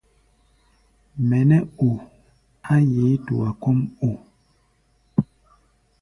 Mɛ nɛ́ o á yeé tua kɔ́ʼm o?